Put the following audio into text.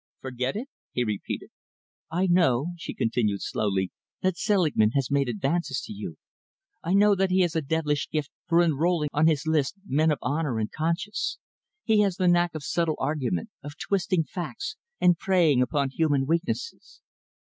"Forget it?" he repeated. "I know," she continued slowly, "that Selingman has made advances to you. I know that he has a devilish gift for enrolling on his list men of honour and conscience. He has the knack of subtle argument, of twisting facts and preying upon human weaknesses.